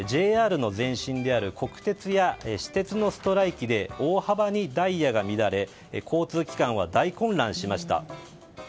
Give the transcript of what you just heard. ＪＲの前身である国鉄や私鉄のストライキで大幅にダイヤが乱れ交通機関が大混乱しました。